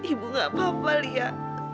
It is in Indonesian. ibu tidak apa apa liya